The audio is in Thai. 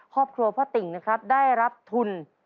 ครอบครัวพ่อติ่งได้รับทุนตอนนี้